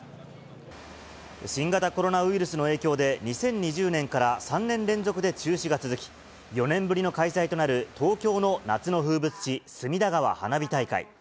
新型コロナウイルスの影響で、２０２０年から３年連続で中止が続き、４年ぶりの開催となる東京の夏の風物詩、隅田川花火大会。